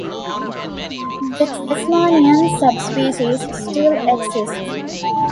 The Tasmanian subspecies still exists.